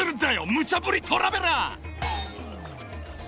『ムチャぶりトラベラー』］